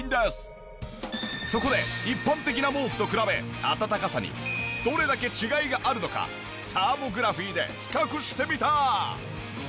そこで一般的な毛布と比べ暖かさにどれだけ違いがあるのかサーモグラフィーで比較してみた。